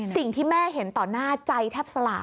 สิ่งที่แม่เห็นตอนหน้าใจเท